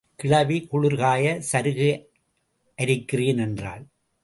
கிழவி, குளிர் காய சருகு அரிக்கிறேன் என்றாள்.